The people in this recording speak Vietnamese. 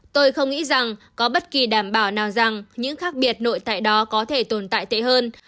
tôi không nghĩ rằng có bất kỳ đảm bảo nào rằng những khác biệt nội tại đó có thể tồn tại tệ hơn